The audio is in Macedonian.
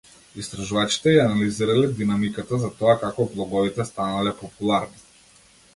Истражувачите ја анализирале динамиката за тоа како блоговите станале популарни.